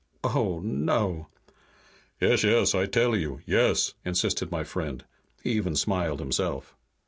"Oh, no!" "Yes, yes, I tell you. Yes!" insisted my friend. He even smiled himself.